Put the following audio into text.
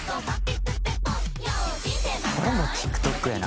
「これもＴｉｋＴｏｋやな」